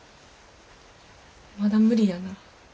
まだ無理やな。